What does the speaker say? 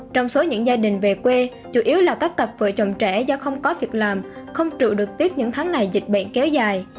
trong số những gia đình về quê chủ yếu là các cặp vợ chồng trẻ do không có việc làm không chịu được tiếp những tháng ngày dịch bệnh kéo dài